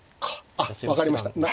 あっ分かりました。